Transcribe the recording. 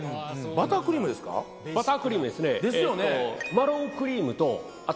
バタークリームですね。